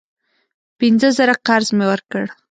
پینځه زره قرض مې ورکړ.